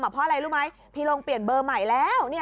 เพราะอะไรรู้ไหมพี่ลงเปลี่ยนเบอร์ใหม่แล้ว